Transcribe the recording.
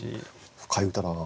深い歌だな。